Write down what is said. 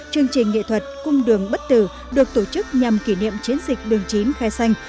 chương trình nghệ thuật cung đường bắt tử được tổ chức nhằm kỷ niệm chiến dịch đường chín khai xanh